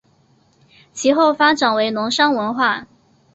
其后发展为龙山文化。